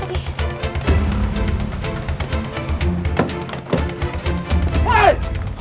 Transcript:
cepet jalan pak